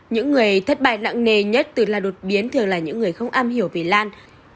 những người thất bại nặng nề nhất từ lò đột biến thường là những người không am hiểu về lan